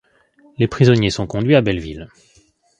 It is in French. Les prisonniers sont conduits à Belleville.